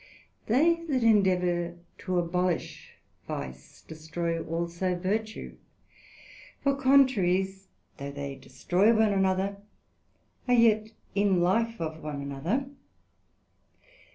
They that endeavour to abolish Vice, destroy also Virtue; for contraries, though they destroy one another, are yet in life of one another.